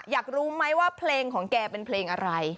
อยากรู้ไหมว่าเพลงของแกเป็นเพลงอะไร